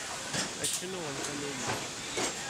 Akken uɣen tanumi.